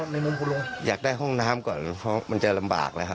ในมุมคุณลุงอยากได้ห้องน้ำก่อนเพราะมันจะลำบากนะครับ